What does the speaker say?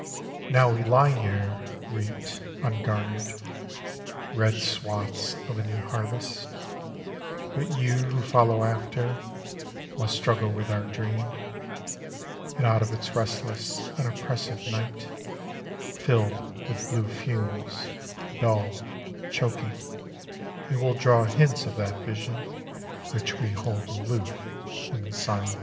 "Now we lie here reaped, ungarnered, Red swaths of a new harvest: But you who follow after, Must struggle with our dream: And out of its restless and oppressive night, Filled with blue fumes, dull, choking, You will draw hints of that vision Which we hold aloof in silence."